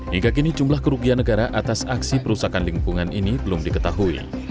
hingga kini jumlah kerugian negara atas aksi perusahaan lingkungan ini belum diketahui